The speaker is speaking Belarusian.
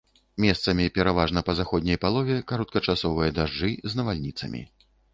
Месцамі, пераважна па заходняй палове кароткачасовыя дажджы з навальніцамі.